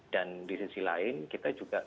dan di sisi lain kita juga